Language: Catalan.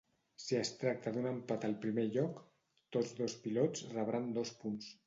Si es tracta d'un empat al primer lloc, tots dos pilots rebran dos punts.